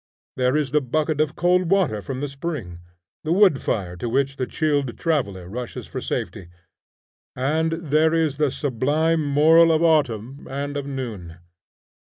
There is the bucket of cold water from the spring, the wood fire to which the chilled traveller rushes for safety, and there is the sublime moral of autumn and of noon.